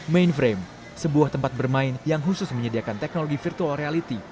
mainframe sebuah tempat bermain yang khusus menyediakan teknologi virtual reality